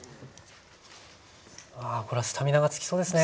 これはスタミナがつきそうですね！